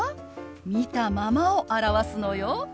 見たままを表すのよ。